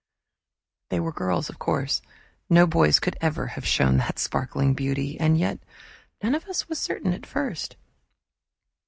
They were girls, of course, no boys could ever have shown that sparkling beauty, and yet none of us was certain at first.